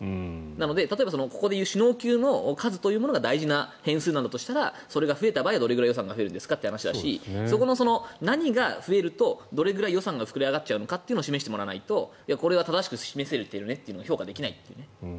なので、例えば首脳級の数というものが大事な変数だとしたらそれが増えたらどれだけ増えるのかって話だしそこの何が増えるとどれくらい予算が膨れ上がっちゃうのかを示してもらわないとこれが正しく示せてるのねって評価できないという。